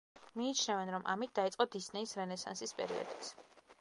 მიიჩნევენ, რომ ამით დაიწყო დისნეის რენესანსის პერიოდიც.